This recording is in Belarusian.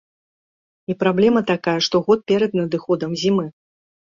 І праблема такая штогод перад надыходам зімы.